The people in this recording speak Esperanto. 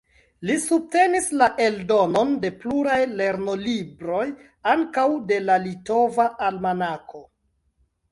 Li subtenis la eldonon de pluraj lernolibroj, ankaŭ de la "Litova Almanako".